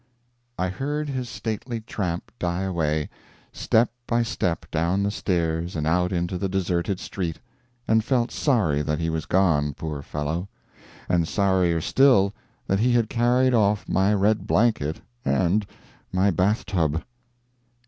I heard his stately tramp die away, step by step down the stairs and out into the deserted street, and felt sorry that he was gone, poor fellow and sorrier still that he had carried off my red blanket and my bath tub.